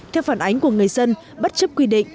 theo phản ánh của người dân bất chấp quy định